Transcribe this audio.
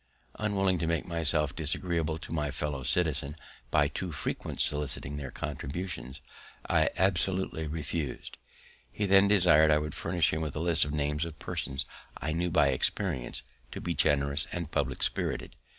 Unwilling to make myself disagreeable to my fellow citizens by too frequently soliciting their contributions, I absolutely refus'd. He then desired I would furnish him with a list of the names of persons I knew by experience to be generous and public spirited.